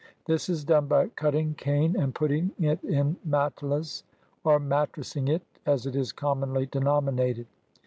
This is done by cutting cane and putting it in matelas, — or mattressing it, as it is commonly denominated.